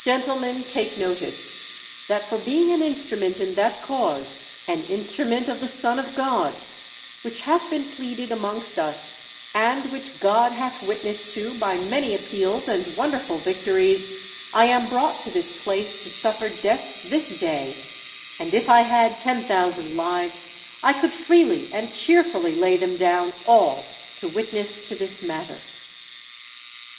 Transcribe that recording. Gentlemen, take notice, that for being an instrument in that cause (an instrument of the Son of God) which hath been pleaded amongst us, and which God hath witnessed to by many appeals and wonderful victories, I am brought to this place to suffer death this day, and if I had ten thousand lives I could freely and cheerfully lay them down all to witness to this matter."